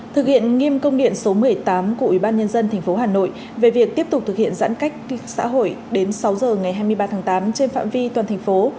thực hiện nghiêm công điện số một mươi tám của ubnd tp hà nội về việc tiếp tục thực hiện giãn cách xã hội đến sáu giờ ngày hai mươi ba tháng tám trên phạm vi toàn thành phố